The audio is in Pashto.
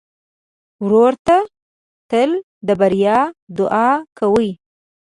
ورور ته تل د بریا دعا کوې.